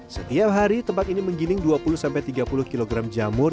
setiap hari tempat ini menggiling dua puluh tiga puluh kg jamur